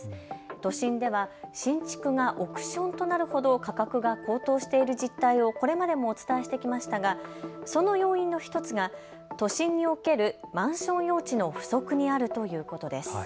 都心では新築が億ションとなるほど価格が高騰している実態をこれまでもお伝えしてきましたがその要因の１つが都心におけるマンション用地の不足にあるということです。